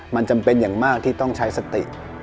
มันจำเป็นอย่างมากที่ต้องใช้สติ